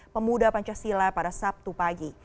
pemuda pancasila pada sabtu pagi